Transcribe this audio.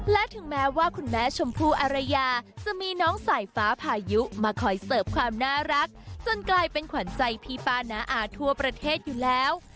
และถึงแม้ว่าคุณแม่ชมพู่อารยาจะมีน้องสายฟ้าพายุมาคอยเสิร์ฟความน่ารักจนกลายเป็นขวัญใจพี่ป้าน้าอาทั่วประเทศอยู่แล้ว